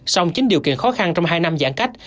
song chính điều kiện khó khăn trong hai năm giãn cách